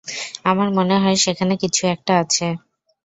আমার মনে হয় সেখানে কিছু একটা আছে।